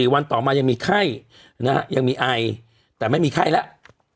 วันต่อมายังมีไข้ยังมีไอแต่ไม่มีไข้แล้ว